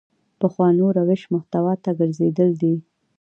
پخوانو روش محتوا ته ګرځېدل دي.